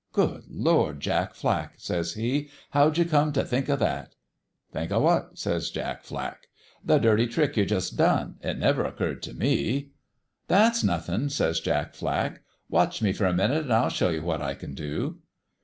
"' Good Lord, Jack Flack !' says he ;' how'd you come t' think o' that f '"' Think o' what?' says Jack Flack. "* The dirty trick you just done. It never oc curred t' me.' "' That's nothin',' says Jack Flack. ' Watch me for a minute an' I'll show you what I can do.'